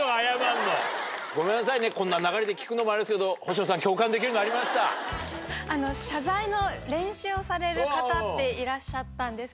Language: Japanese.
ごめんなさいねこんな流れで聞くのもあれですけど星野さん共感できるのありました？っていらっしゃったんですけど。